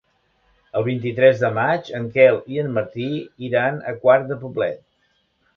El vint-i-tres de maig en Quel i en Martí iran a Quart de Poblet.